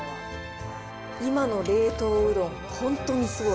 今の冷凍うどん、本当にすごい。